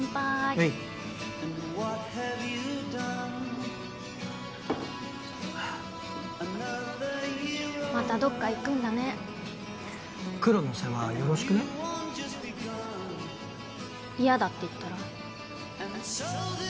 はいまたどっか行くんだねクロの世話よろしくね嫌だって言ったら？